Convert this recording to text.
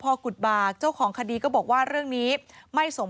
โปรดติดตามต่างกรรมโปรดติดตามต่างกรรม